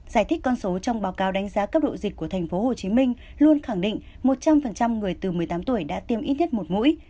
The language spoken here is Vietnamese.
giải thích con số trong báo cáo đánh giá cấp độ dịch của thành phố hồ chí minh luôn khẳng định một trăm linh người từ một mươi tám tuổi đã tiêm ít nhất một mũi